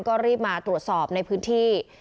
ก็รีบมาตรวจสอบในพื้นที่